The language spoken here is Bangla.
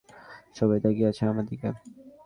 স্টুডিও থেকে বের হয়ে মনে হলো, সবাই তাকিয়ে আছে আমার দিকে।